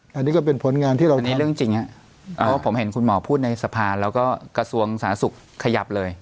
ครับอันนี้ก็เป็นผลงานที่เราทำอันนี้เรื่องจริงฮะเพราะว่าผมเห็นคุณหมอพูดในสะพานแล้วก็กระทรวงสาธารณสุขขยับเลย